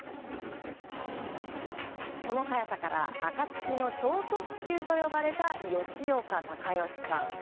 その速さから暁の超特急と呼ばれた吉岡隆徳さん。